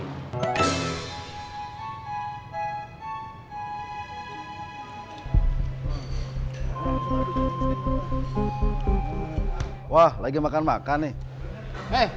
nah sekolah hartanah